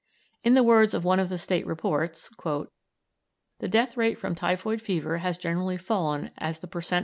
In the words of one of the State reports, "The death rate from typhoid fever has generally fallen as the per cent.